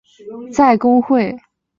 在公会高级成员雷文。